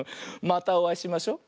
またおあいしましょ。